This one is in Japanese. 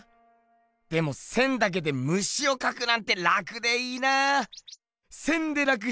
でも線だけでムシをかくなんて楽でいいな！